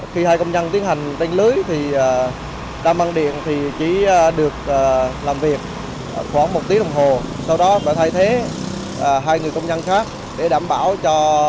khi hai công nhân tiến hành tranh lưới thì đang băng điện thì chỉ được làm việc khoảng một tiếng đồng hồ